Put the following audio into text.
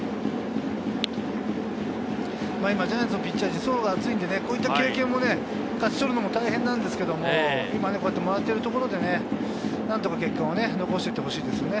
今ジャイアンツのピッチャー陣は層が厚いので、こういった経験も勝ち取るのも大変なんですけど、今もらっているところでね、何とか結果を残していってほしいですね。